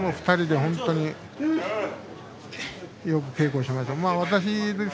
２人で本当によく稽古しました。